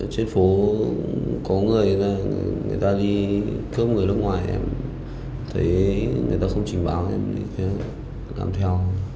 trên phố có người người ta đi cướp người nước ngoài em thấy người ta không trình báo thì em làm theo